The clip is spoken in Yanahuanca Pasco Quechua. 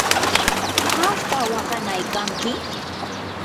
¿imarta waqanaykanki?